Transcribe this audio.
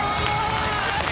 よし！